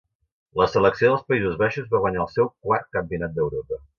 La selecció dels Països Baixos va guanyar el seu quart campionat d'Europa.